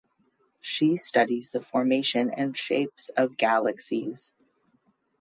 She studies the formation and shapes of galaxies.